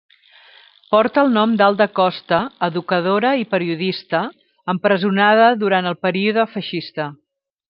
Porta el nom d'Alda Costa, educadora i periodista, empresonada durant el període feixista.